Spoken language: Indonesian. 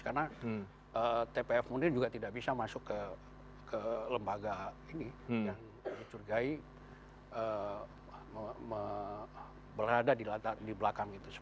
karena tpf munir juga tidak bisa masuk ke lembaga ini yang dicurigai berada di belakang gitu